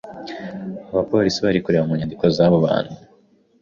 Abapolisi barimo kureba mu nyandiko z'abo bantu.